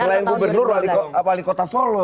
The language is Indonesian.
selain gubernur wali kota solo